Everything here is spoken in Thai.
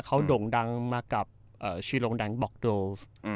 เขาด่งดังมากับเอ่อชีโรงดังบอกโดอืม